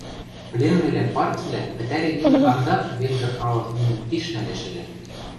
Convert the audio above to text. пленныйвлӓн партьывлӓ пӹтӓри мимӹ андак венгр халык нинӹм пиш нӓлеш ыльы